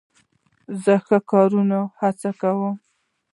زه د ښو کارونو هڅوونکی یم.